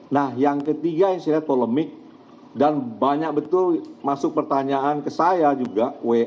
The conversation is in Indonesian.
nah yang ketiga yang saya lihat polemik dan banyak betul masuk pertanyaan ke saya juga